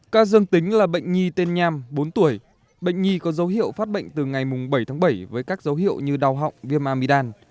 ca dương tính là bệnh nhi tên nham bốn tuổi bệnh nhi có dấu hiệu phát bệnh từ ngày bảy tháng bảy với các dấu hiệu như đau họng viêm amidam